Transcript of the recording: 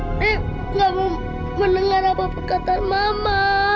ma dev gak mau mendengar apa apa kata mama